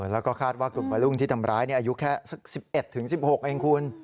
แล้วก็คาดว่ากลุ่มวัยรุ่นที่ทำร้ายอายุแค่สัก๑๑๑๖เองคุณ